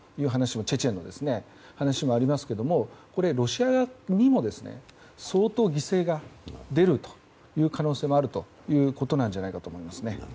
チェチェンのお話もありますけれどもロシア側にも相当の犠牲が出る可能性もあるということじゃないかと思います。